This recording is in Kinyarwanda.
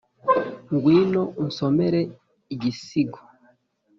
ngwino, unsomera igisigo,